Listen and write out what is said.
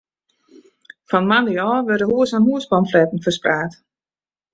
Fan moandei ôf wurde hûs oan hûs pamfletten ferspraat.